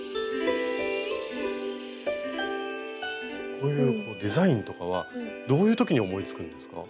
こういうデザインとかはどういう時に思いつくんですか？